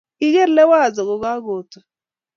Kiker Liwazo kokakotu